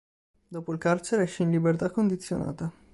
Dopo il carcere, esce in libertà condizionata.